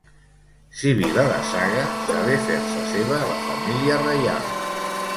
Sibil·la de Saga sabé fer-se seva la família reial.